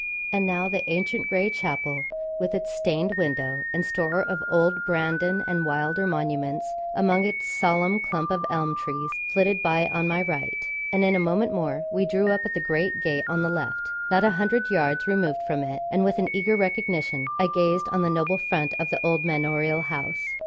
And now the ancient gray chapel, with its stained window, and store of old Brandon and Wylder monuments among its solemn clump of elm trees, flitted by on my right; and in a moment more we drew up at the great gate on the left; not a hundred yards removed from it, and with an eager recognition, I gazed on the noble front of the old manorial house.